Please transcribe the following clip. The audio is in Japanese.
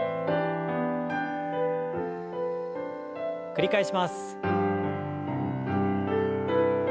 繰り返します。